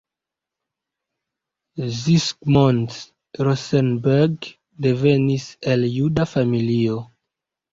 Zsigmond Rosenberg devenis el juda familio.